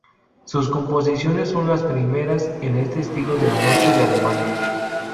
Sus composiciones son las primeras en este estilo del norte de Alemania.